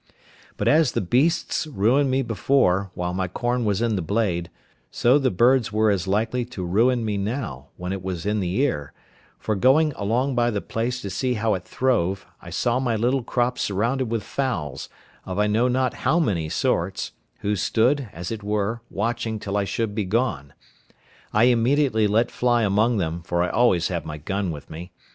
But as the beasts ruined me before, while my corn was in the blade, so the birds were as likely to ruin me now, when it was in the ear; for, going along by the place to see how it throve, I saw my little crop surrounded with fowls, of I know not how many sorts, who stood, as it were, watching till I should be gone. I immediately let fly among them, for I always had my gun with me.